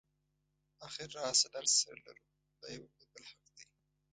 اخر راشه درشه سره لرو دا یو د بل حق دی.